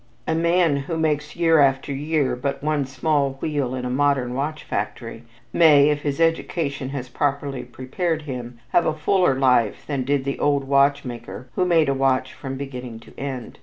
A man who makes, year after year, but one small wheel in a modern watch factory, may, if his education has properly prepared him, have a fuller life than did the old watchmaker who made a watch from beginning to end.